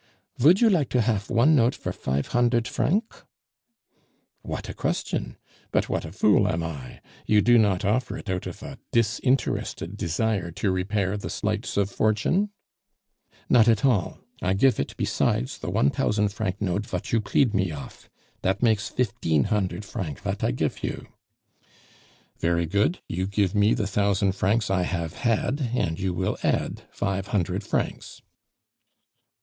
"Vould you like to haf one note for fife hundert franc?" "What a question! But what a fool I am! You do not offer it out of a disinterested desire to repair the slights of Fortune?" "Not at all. I gif it besides the one tousand franc note vat you pleed me off. Dat makes fifteen hundert franc vat I gif you." "Very good, you give me the thousand francs I have had and you will add five hundred francs."